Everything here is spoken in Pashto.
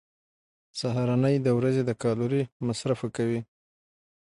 سهارنۍ د ورځې د کالوري مصرف ښه کوي.